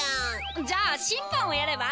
じゃあ審判をやれば？